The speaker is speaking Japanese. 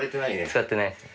使ってないっすね。